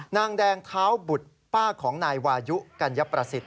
นางแดงเท้าบุตรป้าของนายวายุกัญญประสิทธิ